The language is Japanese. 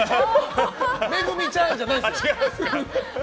めぐみちゃんじゃないです。